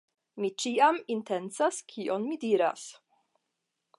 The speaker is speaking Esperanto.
mi ĉiam intencas kion mi diras.